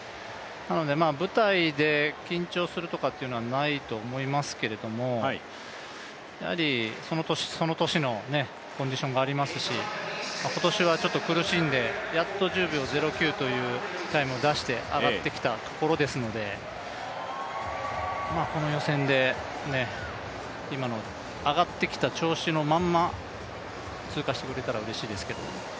舞台で緊張するとかいうのはないと思いますけどその年、その年のコンディションがありますし、今年はちょっと苦しんでやっと１０秒０９というタイムを出して上がってきたところですので、この予選で今の、上がってきた調子のまま通過してくれたらうれしいですけど。